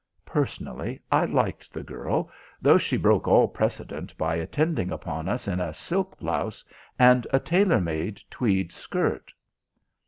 Personally, I liked the girl, though she broke all precedent by attending upon us in a silk blouse and a tailor made tweed skirt.